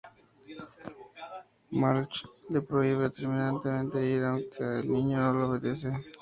Marge le prohíbe terminantemente ir, aunque el niño no le obedece.